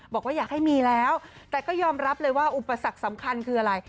บอกว่าอยากให้มีแล้วแต่ก็ยอมรับเลยว่าอุปสรรคสำคัญคืออะไร